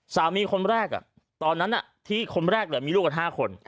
สามีคนแรกตอนนั้นที่คนแรกมีลูกกับ๕